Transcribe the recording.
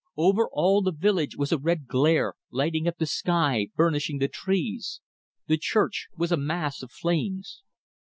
Over all the village was a red glare, lighting up the sky, burnishing the trees. The church was a mass of flames.